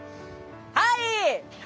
はい！